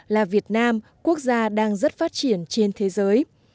là việt nam quốc gia đang rất phát triển trên thế giới